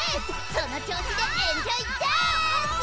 その調子でエンジョイダーンス！